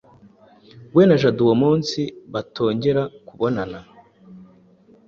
we na Jado uwo munsi batongera kubonana